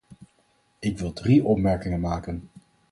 Ik wil drie opmerkingen maken.